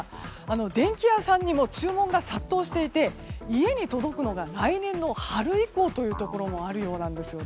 電気屋さんに注文が殺到していて家に届くのが来年の春以降というところもあるようなんですよね。